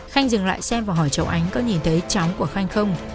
khanh dừng lại xem và hỏi cháu ánh có nhìn thấy cháu của khanh không